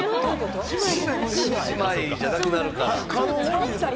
姉妹じゃなくなるから。